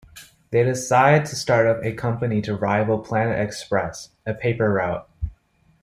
They decide to start up a company to rival Planet Express: a paper route.